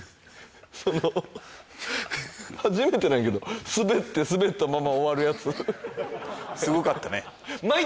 その初めてなんやけどスベってスベったまま終わるやつすごかったねあっ